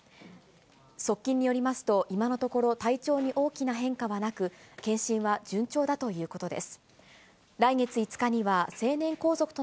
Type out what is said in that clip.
側近によりますと、今のところ、体調に大きな変化はなく、健診は順調だということです。